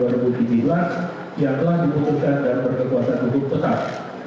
yang telah dibutuhkan dan berkekuatan betul tetap